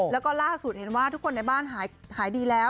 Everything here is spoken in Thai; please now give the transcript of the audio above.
แล้วก็ล่าสุดเห็นว่าทุกคนในบ้านหายดีแล้ว